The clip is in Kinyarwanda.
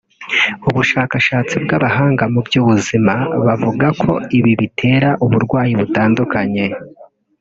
ubushakashatsi bw’abahanga mu by’ubuzima bavuga ko ibi bitera uburwayi butandukanye